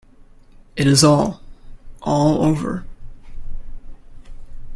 It is all, all over.